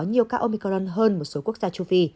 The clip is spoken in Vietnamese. nhiều ca omicron hơn một số quốc gia châu phi